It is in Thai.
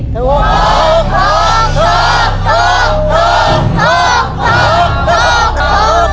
ถูก